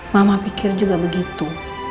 mama pikir juga begitu